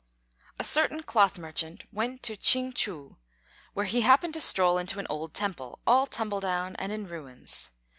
A certain cloth merchant went to Ch'ing chou, where he happened to stroll into an old temple, all tumble down and in ruins.